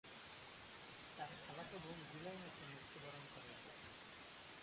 তার খালাতো বোন জুলাই মাসে মৃত্যুবরণ করে।